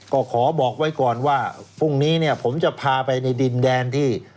ก็ขอบอกไว้ก่อนว่าพรุ่งนี้เนี่ยผมจะพาไปในดินแดนที่